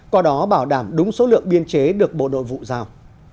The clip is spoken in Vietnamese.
có đó bảo đảm đúng số lượng biên chế được bộ đội vụ giao